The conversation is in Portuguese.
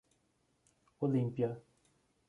Olímpia